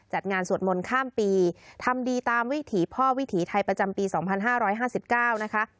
จัดงานสวดมนต์ข้ามปีทำดีตามวิถีพ่อวิถีไทยประจำปี๒๕๕๙นะคะ